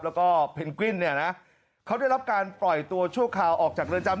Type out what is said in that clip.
แล้วก็เพนกวิ้นเนี่ยนะเขาได้รับการปล่อยตัวชั่วคราวออกจากเรือนจำ